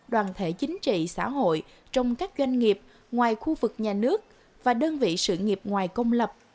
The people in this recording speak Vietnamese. đoàn thể chính trị xã hội trong các doanh nghiệp ngoài khu vực nhà nước và đơn vị sự nghiệp ngoài công lập